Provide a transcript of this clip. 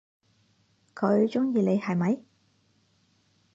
佢仲鍾意你係咪？